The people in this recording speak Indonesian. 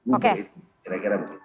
mungkin itu kira kira begitu